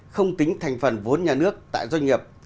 không tính thành phần vốn nhà nước tại doanh nghiệp